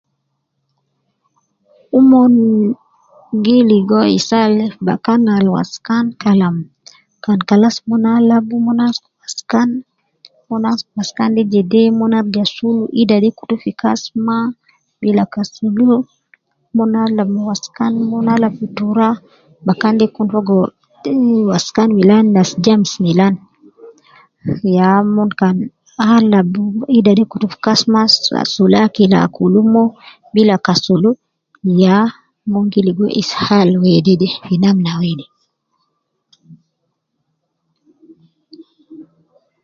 Omon gi ligo ishal de fi bakan al waskan kan alab, kan kalas mon alabu, mon amsuku waskan ,mon amsuku waskan de jede mon arija kun ida de kutu fi kasma bila kasulu, mon alab ma waskan, mon alab fi tura , bakan de kun fogo du waskan milan nas germs milan, ya mon kan alab ,ida kutu fi kasma sulu akil Mo bila kasulu ya min gi ligo ishal wede de fi namna wede